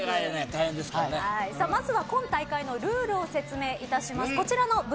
まずは今大会のルールを説明します。